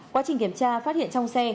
quá trình kiểm tra phát hiện trong xe